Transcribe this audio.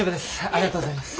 ありがとうございます。